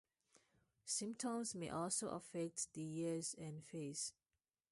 Symptoms may also affect the ears and face.